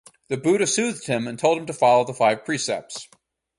The buddha soothed him and told him to follow the Five precepts.